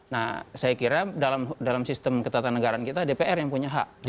nah saya kira dalam sistem ketatanegaraan kita dpr yang punya hak